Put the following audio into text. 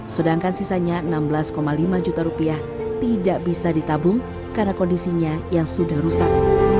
sedangkan sisanya enam belas lima juta rupiah tidak bisa ditabung karena kondisinya yang sudah rusak